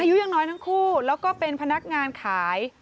อายุยังน้อยทั้งคู่แล้วก็เป็นพนักงานขาย